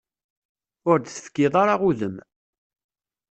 Ur d-tefkiḍ ara udem.